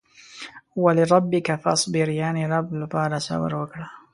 ولربک فاصبر يانې رب لپاره صبر وکړه.